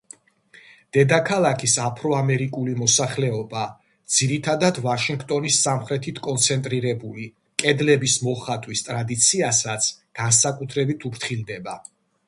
დედაქალაქის აფრო-ამერიკული მოსახლეობა, ძირითადად ვაშინგტონის სამხრეთით კონცენტრირებული, კედლების მოხატვის ტრადიციასაც განსაკუთრებით უფრთხილდება.